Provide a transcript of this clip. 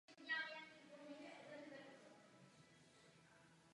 To musí zůstat v kompetenci členských států.